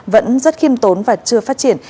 vẫn rất khiêm tốn và chưa phát triển